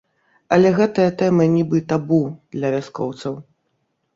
Але гэтая тэма нібы табу для вяскоўцаў.